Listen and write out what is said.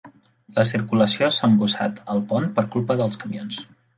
La circulació s'ha embussat al pont per culpa dels camions!